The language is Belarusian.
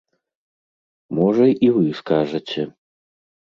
Можа, і вы скажаце.